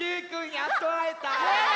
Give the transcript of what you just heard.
やっとあえた！